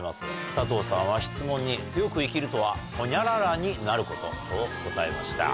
佐藤さんは質問に、強く生きるとはホニャララになることと答えました。